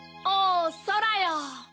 おおそらよ！